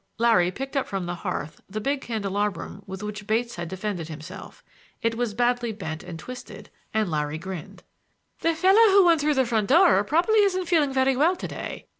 Larry picked up from the hearth the big candelabrum with which Bates had defended himself. It was badly bent and twisted, and Larry grinned. "The fellow who went out through the front door probably isn't feeling very well to day.